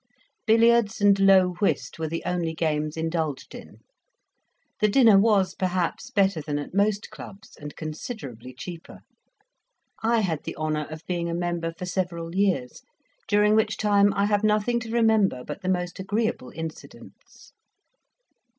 Billiards and low whist were the only games indulged in. The dinner was, perhaps, better than at most clubs, and considerably cheaper. I had the honour of being a member for several years, during which time I have nothing to remember but the most agreeable incidents.